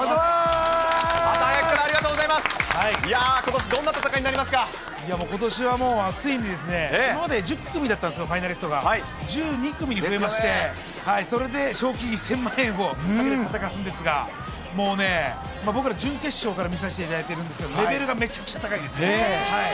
ことしは熱いんで、ついに１０組だったんですけど、ファイナリストが、１２組に増えまして、それで賞金１０００万円をかけて戦うんですが、僕ら準決勝から見させていただいているんですけど、レベルがめちゃくちゃ高いですね。